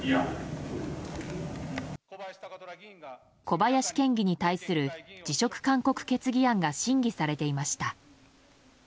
小林県議に対する辞職勧告決議案が審議されていました。